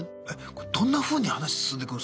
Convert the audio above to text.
どんなふうに話進んでいくんすか？